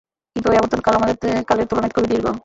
কিন্তু ঐ আবর্তন-কাল আমাদের কালের তুলনায় খুবই দীর্ঘ।